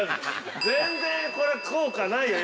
全然、これ効果ないよ。